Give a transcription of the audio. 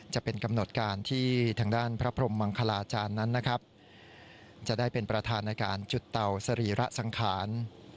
จะได้เป็นประธานการณ์จุฏเตาศรีระสังคาร